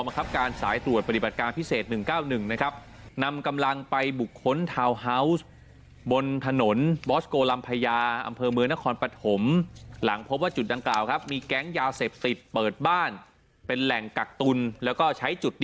๓๐๐กว่าล้านมียาบ้า๑๕ล้านเม็ด